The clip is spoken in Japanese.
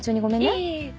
いえいえ。